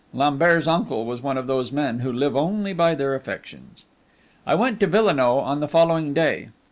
Lambert's uncle was one of those men who live only by their affections. I went to Villenoix on the following day.